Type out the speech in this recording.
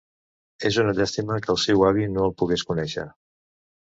És una llàstima que el seu avi no el pogués conèixer.